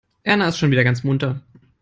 Erna ist schon wieder ganz munter.